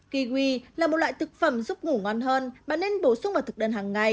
kiwi là một loại thực phẩm giúp ngủ ngon hơn và nên bổ sung vào thực đơn hàng ngày